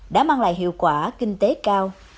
đã mang lại hiệu quả kinh tế cao